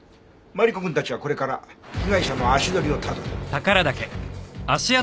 マリコくんたちはこれから被害者の足取りをたどる。